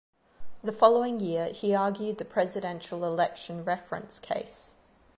The following year he argued the Presidential Election Reference case.